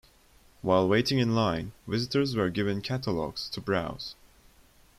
While waiting in line, visitors were given catalogs to browse.